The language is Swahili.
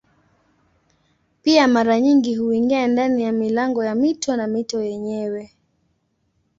Pia mara nyingi huingia ndani ya milango ya mito na mito yenyewe.